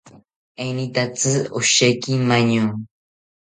Enitatzi osheki maño